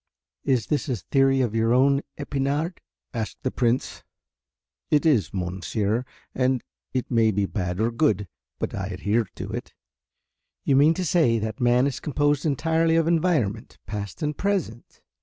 "Is this a theory of your own, Epinard?" asked the Prince. "It is, monsieur, and it may be bad or good but I adhere to it." "You mean to say that man is composed entirely of environment, past and present?"